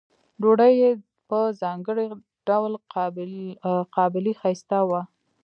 ډوډۍ یې په ځانګړي ډول قابلي ښایسته وه.